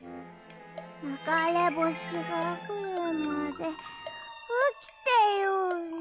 ながれぼしがくるまでおきてようね。